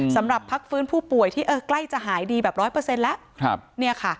สำหรับพักฟื้นผู้ป่วยที่ใกล้จะหายดีแบบ๑๐๐แล้ว